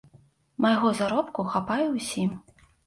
Майго заробку хапае ўсім.